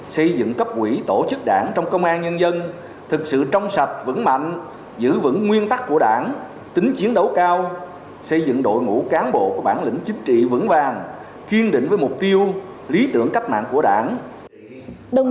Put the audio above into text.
xây dựng cấp quỹ tổ chức đảng trong công an nhân dân thực sự trong sạch vững mạnh giữ vững nguyên tắc của đảng tính chiến đấu cao xây dựng đội ngũ cán bộ có bản lĩnh chính trị vững vàng kiên định với mục tiêu lý tưởng cách mạng của đảng